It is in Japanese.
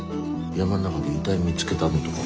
山ん中で遺体見つけたのとかも。